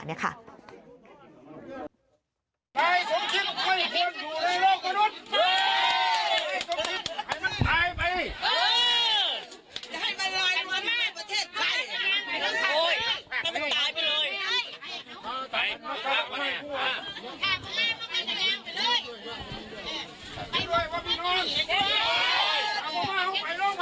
เฮ่ยไปลูกยาว